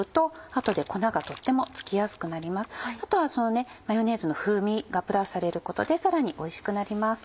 あとはマヨネーズの風味がプラスされることでさらにおいしくなります。